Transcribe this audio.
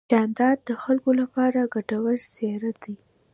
جانداد د خلکو لپاره ګټور څېرہ دی.